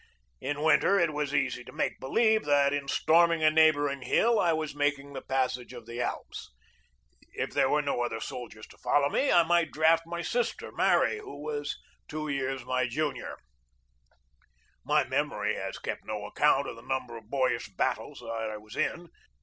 In winter it was easy to make believe that in storming a neighboring hill I was making the passage of the Alps. If there were no other soldiers to follow me, I might draft my sister Mary, who was two years my junior. 6 GEORGE DEWEY My memory has kept no account of the number of boyish battles that I was in.